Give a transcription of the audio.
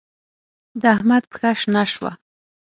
د احمد پښه شنه شوه.